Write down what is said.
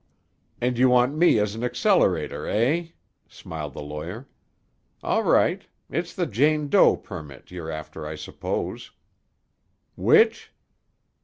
"And you want me as an accelerator, eh?" smiled the lawyer. "All right. It's the Jane Doe permit you're after, I suppose." "Which?"